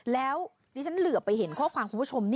แล้วดิฉันเหลือไปเห็นข้อความคุณผู้ชม